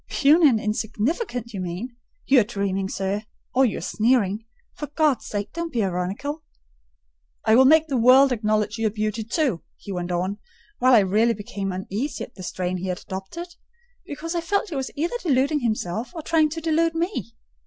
"Puny and insignificant, you mean. You are dreaming, sir,—or you are sneering. For God's sake, don't be ironical!" "I will make the world acknowledge you a beauty, too," he went on, while I really became uneasy at the strain he had adopted, because I felt he was either deluding himself or trying to delude me.